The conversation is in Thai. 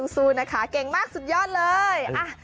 สู้นะคะเก่งมากสุดยอดเลย